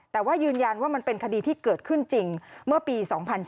แต่ว่ายืนยันว่ามันเป็นคดีที่เกิดขึ้นจริงเมื่อปี๒๔